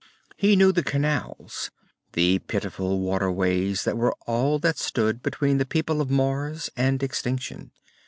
He knew the canals, the pitiful waterways that were all that stood between the people of Mars and extinction.